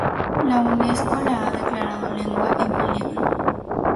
La Unesco la ha declarado lengua en peligro.